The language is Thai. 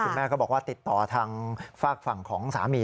แม่ก็บอกว่าติดต่อทางฝากฝั่งของสามี